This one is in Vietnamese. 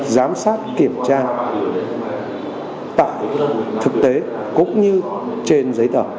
giám sát kiểm tra tại thực tế cũng như trên giấy tờ